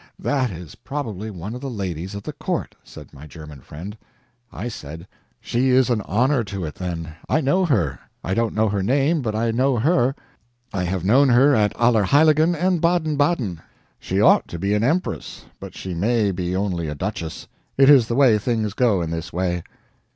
"That is probably one of the ladies of the court," said my German friend. I said: "She is an honor to it, then. I know her. I don't know her name, but I know HER. I have known her at Allerheiligen and Baden Baden. She ought to be an Empress, but she may be only a Duchess; it is the way things go in this way."